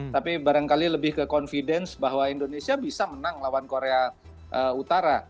tapi barangkali lebih ke confidence bahwa indonesia bisa menang lawan korea utara